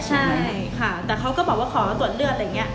ใช่ค่ะแต่เขาก็บอกว่าขอตรวจเลือด